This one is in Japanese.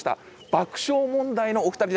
爆笑問題のお二人です。